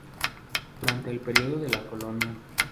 Durante el período de la colonia.